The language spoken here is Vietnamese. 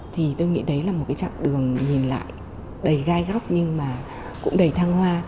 thì tôi nghĩ đấy là một cái chặng đường nhìn lại đầy gai góc nhưng mà cũng đầy thăng hoa